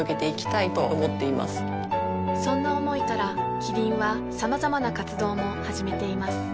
そんな思いからキリンはさまざまな活動も始めています